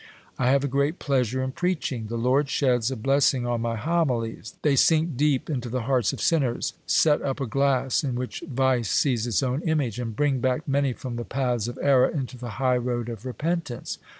I have a great pleasure in preaching. The Lord sheds a bless ing on my homilies ; they sink deep into the hearts of sinners ; set up a glass in which vice sees its own image, and bring back many from the paths of error into the high road of repentance.